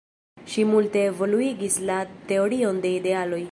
Ŝi multe evoluigis la teorion de idealoj.